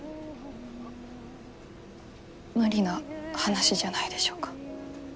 無理な話じゃないでしょうか。